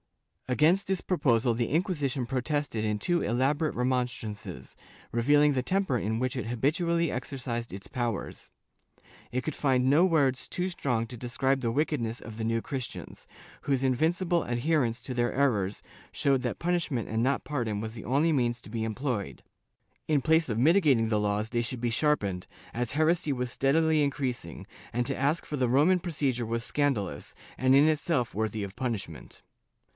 * Against this proposal the Inquisition protested in two elaborate remonstrances, revealing the temper in which it habitually exercised its powers. It could find no words too strong to describe the wickedness of the New Christians, whose invin cible adherence to their errors showed that punishment and not pardon was the only means to be employed; in place of mitigating the laws they should be sharpened, as heresy was steadily increas ing, and to ask for the Roman procedure was scandalous, and in itself worthy of punishment.